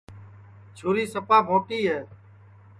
چھُری سپا بھونٚٹی ہے